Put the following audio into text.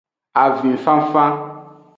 Avinfanfan.